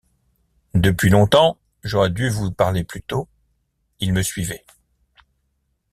Depuis longtemps, — j’aurais dû vous parler plus tôt, — Il me suivait.